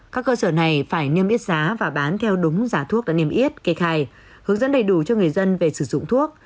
các cơ sở này phải niêm yết giá và bán theo đúng giá thuốc đã niêm yết kê khai hướng dẫn đầy đủ cho người dân về sử dụng thuốc